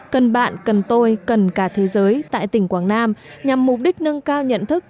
cần bạn cần tôi cần cả thế giới tại tỉnh quảng nam nhằm mục đích nâng cao nhận thức